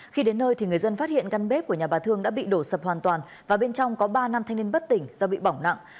khi đến nơi thì người dân phát hiện căn bếp của nhà bà thương đã bị đổ sập hoàn toàn và bên trong có ba nam thanh niên bất tỉnh do bị bỏng nặng